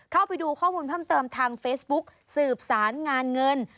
เข้าไปดูข้อมูลเพิ่มเติมทางเฟซบุ๊กสืบสารงานเงิน